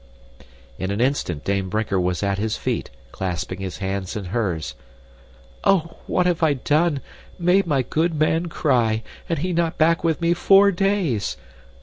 In an instant Dame Brinker was at his feet, clasping his hands in hers. "Oh, what have I done! Made my good man cry, and he not back with me four days!